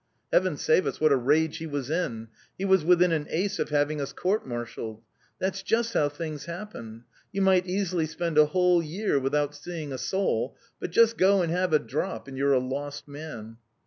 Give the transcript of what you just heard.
Heaven save us, what a rage he was in! He was within an ace of having us court martialled. That's just how things happen! You might easily spend a whole year without seeing a soul; but just go and have a drop and you're a lost man!"